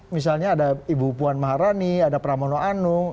misalnya ada ibu puan maharani ada pramono anung